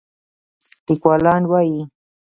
لیکوالان وايي